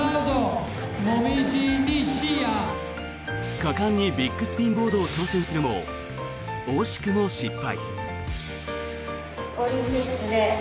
果敢にビッグスピンボードを挑戦するも惜しくも失敗。